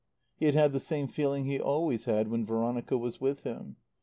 He had had the same feeling he always had when Veronica was with him.